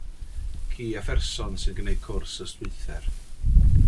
Ci a pherson sy'n gwneud cwrs ystwythder.